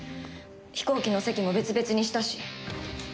飛行機の席も別々にしたし。